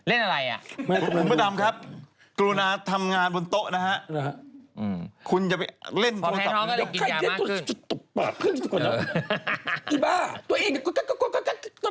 เออมากขึ้นเล่นอะไรครับ